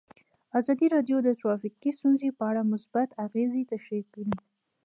ازادي راډیو د ټرافیکي ستونزې په اړه مثبت اغېزې تشریح کړي.